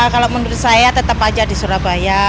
kalau menurut saya tetap aja di surabaya